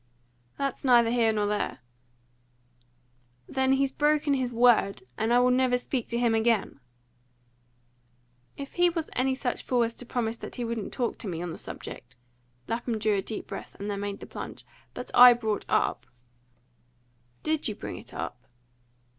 "That's neither here nor there." "Then he's broken his word, and I will never speak to him again!" "If he was any such fool as to promise that he wouldn't talk to me on a subject" Lapham drew a deep breath, and then made the plunge "that I brought up " "Did you bring it up?"